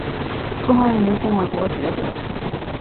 中华人民共和国学者。